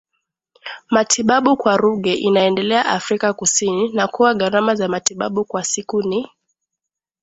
matibabu kwa Ruge inaendelea Afrika Kusini na kuwa gharama za matibabu kwa siku ni